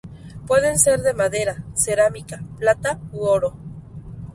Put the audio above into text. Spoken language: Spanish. Pueden ser de madera, cerámica, plata u oro.